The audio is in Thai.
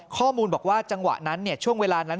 ข้อมูลบอกว่าจังหวะนั้นช่วงเวลานั้น